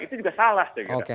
itu juga salah saya kira